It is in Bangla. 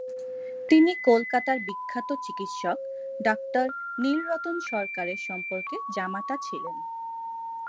তিনি কলকাতার বিখ্যাত চিকিৎসক ড. নীলরতন সরকারের সম্পর্কে জামাতা ছিলেন।